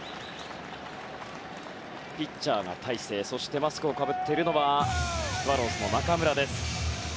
ピッチャーの大勢そしてマスクをかぶっているのはスワローズの中村です。